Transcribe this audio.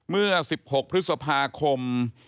เมื่อ๑๖พฤษภาคม